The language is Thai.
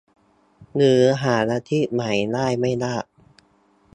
หรือหาอาชีพใหม่ได้ไม่ยาก